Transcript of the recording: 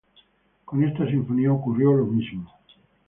Con esta sinfonía ocurrió lo mismo.